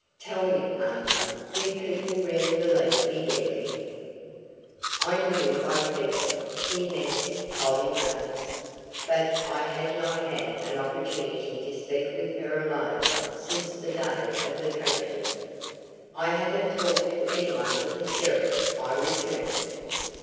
"Tell me, Arnold, do people really believe me guilty?" I knew by "people" he meant Polly Mathers; but I had not had an opportunity to speak with her alone since the day of the tragedy. "I haven't talked to anyone but the sheriff," I returned.